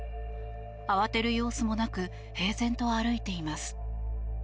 慌てる様子もなく平然と歩いています。